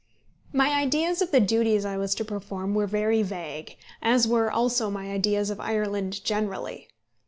My ideas of the duties I was to perform were very vague, as were also my ideas of Ireland generally.